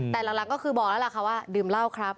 แต่หลังก็คือบอกแล้วล่ะค่ะว่าดื่มเหล้าครับ